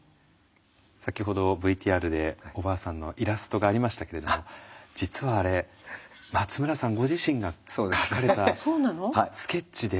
先ほどＶＴＲでおばあさんのイラストがありましたけれども実はあれ松村さんご自身が描かれたスケッチで。